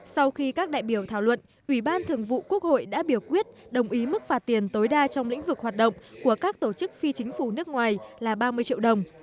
sau khi các đại biểu thảo luận ủy ban thường vụ quốc hội đã biểu quyết đồng ý mức phạt tiền tối đa trong lĩnh vực hoạt động của các tổ chức phi chính phủ nước ngoài là ba mươi triệu đồng